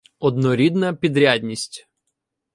Однорідна підрядність